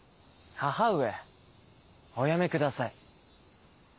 母上おやめください。